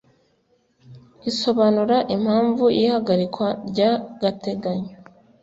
Isobanura impamvu y ihagarikwa ry agateganyo